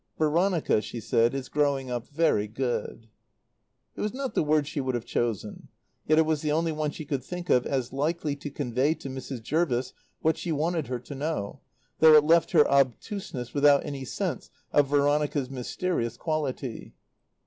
"Veronica," she said, "is growing up very good." It was not the word she would have chosen, yet it was the only one she could think of as likely to convey to Mrs. Jervis what she wanted her to know, though it left her obtuseness without any sense of Veronica's mysterious quality.